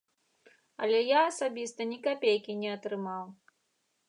Але я асабіста ні капейкі не атрымаў.